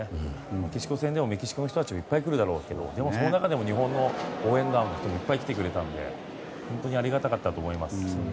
メキシコ戦でもメキシコの人たちがいっぱい来るだろうけどでも、その中でも日本の応援団の人もいっぱい来てくれたので本当にありがたかったと思います。